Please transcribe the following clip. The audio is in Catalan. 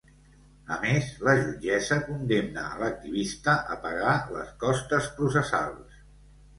A més la jutgessa condemna a l’activista a pagar les costes processals.